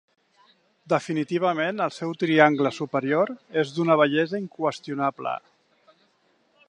Definitivament el seu triangle superior és d'una bellesa inqüestionable.